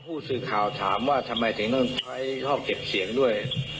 ผู้สื่อข่าวถามว่าทำไมถึงต้องใช้รอบเก็บเสียงด้วย